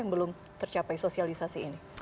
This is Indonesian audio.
yang belum tercapai sosialisasi ini